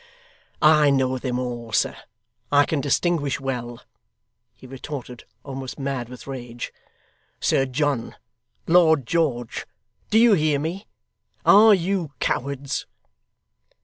'I know them all, sir, I can distinguish well ' he retorted, almost mad with rage. 'Sir John, Lord George do you hear me? Are you cowards?